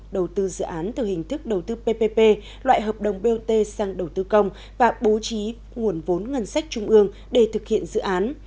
đầu tư dự án từ hình thức đầu tư ppp loại hợp đồng bot sang đầu tư công và bố trí nguồn vốn ngân sách trung ương để thực hiện dự án